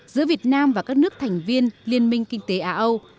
giữa việt nam và các nước thành viên liên minh kinh tế á âu